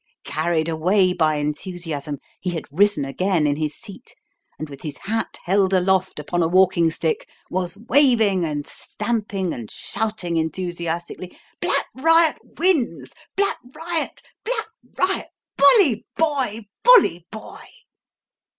Carried away by enthusiasm, he had risen again in his seat and, with his hat held aloft upon a walking stick, was waving and stamping and shouting enthusiastically: "Black Riot wins! Black Riot! Black Riot! Bully boy! Bully boy!"